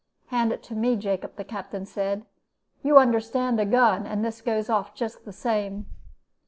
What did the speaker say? "'Hand it to me, Jacob,' the Captain said. 'You understand a gun, and this goes off just the same.'